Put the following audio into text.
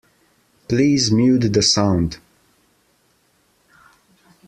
Please mute the sound.